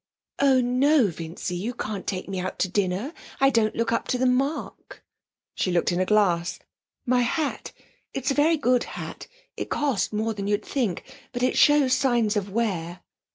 'Oh no, Vincy; you can't take me out to dinner. I don't look up to the mark.' She looked in a glass. 'My hat it's a very good hat it cost more than you'd think but it shows signs of wear.'